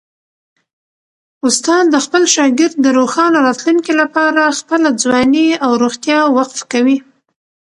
استاد د خپل شاګرد د روښانه راتلونکي لپاره خپله ځواني او روغتیا وقف کوي.